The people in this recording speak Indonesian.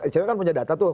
cewek kan punya data tuh